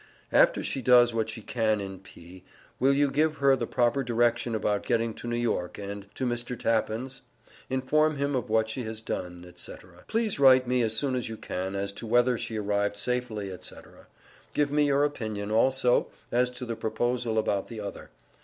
After she does what she can in P., will you give her the proper direction about getting to New York and to Mr. Tappan's? Inform him of what she has done, &c. Please write me as soon as you can as to whether she arrived safely, &c. Give me your opinion, also, as to the proposal about the other.